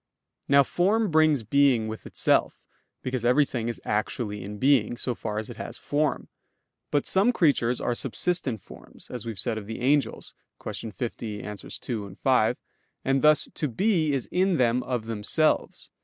Now form brings being with itself, because everything is actually in being, so far as it has form. But some creatures are subsistent forms, as we have said of the angels (Q. 50, AA. 2, 5): and thus to be is in them of themselves.